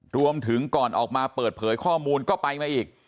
รวมถึงก่อนออกมาเปิดเผยข้อมูลก็ไปมาอีก